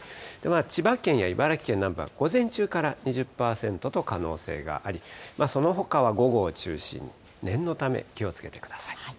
千葉県や茨城県南部は午前中から２０％と可能性があり、そのほかは午後を中心に、念のため、気をつけてください。